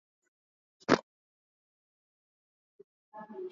ikiwa pamoja na majengo ya Husuni kubwa na Husuni ndogo